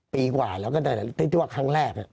ปีกว่าแล้วก็ได้ที่ว่าครั้งแรก